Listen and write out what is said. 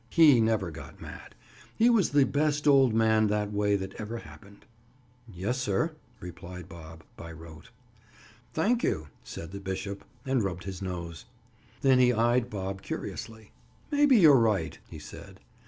He never got mad, he was the best old man that way that ever happened. "Yes, sir," replied Bob, by rote. "Thank you," said the bishop, and rubbed his nose. Then he eyed Bob curiously. "Maybe you're right," he said.